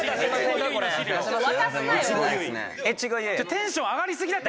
テンション上がりすぎだって。